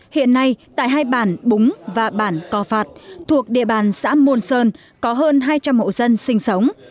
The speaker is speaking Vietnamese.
hiện nay tại hai bản búng và bản co phạt thuộc địa bàn xã môn sơn có hơn hai trăm linh hộ dân sinh sống